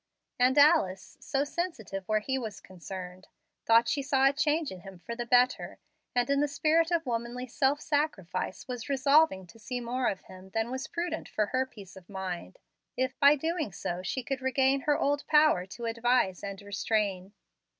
And Alice, so sensitive where he was concerned, thought she saw a change in him for the better, and in the spirit of womanly self sacrifice was resolving to see more of him than was prudent for her peace of mind, if by so doing she could regain her old power to advise and restrain.